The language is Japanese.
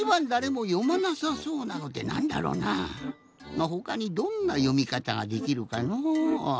まあほかにどんなよみかたができるかのう？